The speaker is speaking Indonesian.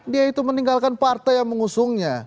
dia itu meninggalkan partai yang mengusungnya